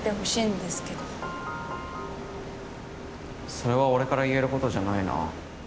それは俺から言えることじゃないな。